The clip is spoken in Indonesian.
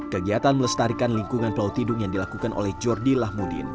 kegiatan melestarikan lingkungan pelautidung yang dilakukan oleh jordi lahmudin